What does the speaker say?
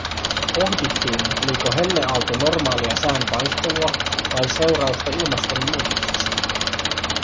Pohdittiin oliko helleaalto normaalia sään vaihtelua vai seurausta ilmastonmuutoksesta.